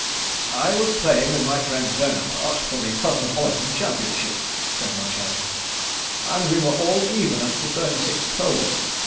"I was playing with my friend Bonaparte, for the Cosmopolitan Championship," said Munchausen, "and we were all even at the thirty sixth hole.